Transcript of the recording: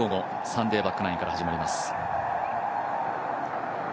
サンデーバックナインから始まります。